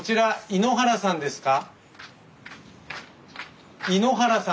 井ノ原さんですか？